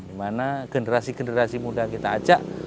dimana generasi generasi muda kita ajak